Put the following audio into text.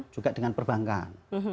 juga dengan perbankan